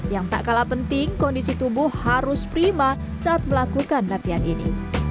yang tak kalah penting kondisi tubuh harus prima saat melakukan latihan ini